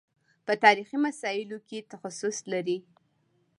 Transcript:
په تاریخي مسایلو کې تخصص لري.